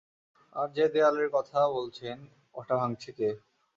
আর যে দেয়ালের কথা বলছেন, ওটা ভাঙছে কে?